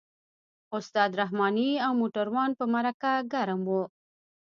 استاد رحماني او موټروان په مرکه ګرم وو.